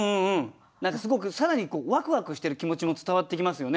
何かすごく更にわくわくしてる気持ちも伝わってきますよね。